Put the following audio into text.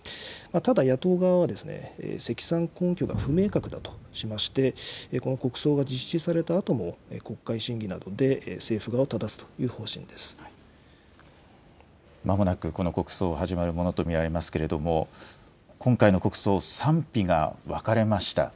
ただ、野党側は積算根拠が不明確だとしまして、この国葬が実施されたあとも国会審議などで政府側をただすというまもなくこの国葬、始まるものと見られますけれども、今回の国葬、賛否が分かれました。